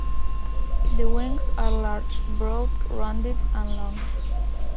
The wings are large, broad, rounded, and long.